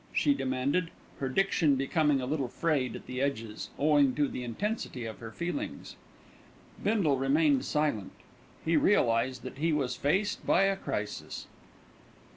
she demanded, her diction becoming a little frayed at the edges, owing to the intensity of her feelings. Bindle remained silent. He realised that he was faced by a crisis.